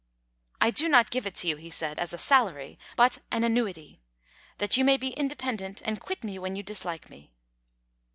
"I do not give it to you," he said, "as a salary, but an annuity, that you may be independent, and quit me when you dislike me."